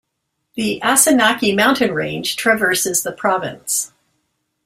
The Asanaki mountain range traverses the province.